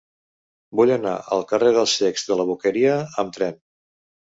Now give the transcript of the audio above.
Vull anar al carrer dels Cecs de la Boqueria amb tren.